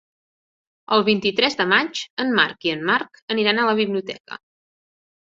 El vint-i-tres de maig en Marc i en Marc aniran a la biblioteca.